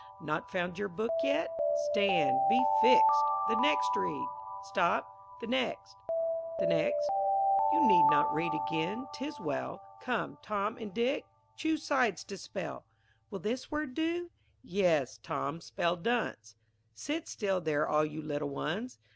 Not found your book yet? Stand be fix'd The next read, stop the next the next. You need not read again, 'tis well. Come, Tom and Dick, choose sides to spell. Will this word do? Yes, Tom spell dunce. Sit still there all you little ones.